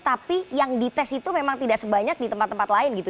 tapi yang dites itu memang tidak sebanyak di tempat tempat lain gitu